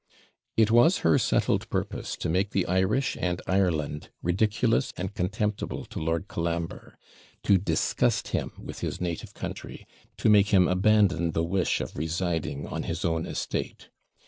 It was her settled purpose to make the Irish and Ireland ridiculous and contemptible to Lord Colambre; to disgust him with his native country; to make him abandon the wish of residing on his own estate.